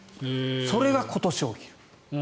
それが今年起きる。